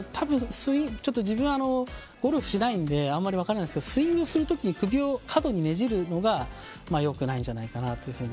自分はゴルフしないのであんまり分からないですけどスイングする時に首を過度にねじるのが良くないんじゃないかなと。